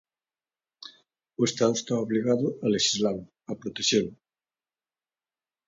O Estado está obrigado a lexislalo, a protexelo.